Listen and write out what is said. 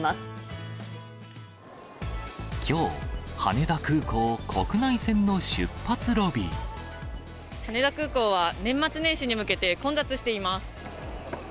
きょう、羽田空港は、年末年始に向けて混雑しています。